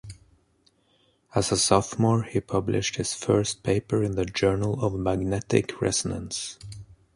As a sophomore, he published his first paper in the "Journal of Magnetic Resonance".